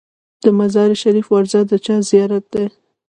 د مزار شریف روضه د چا زیارت دی؟